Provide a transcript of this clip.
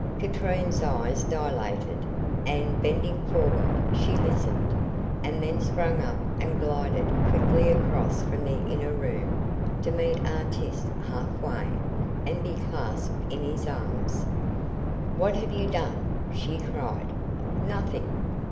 Katrine's eyes dilated, and, bending forward, she listened, and then sprang up and glided quickly across from the inner room to meet Artis half way, and be clasped in his arms. "What have you done?" she cried. "Nothing."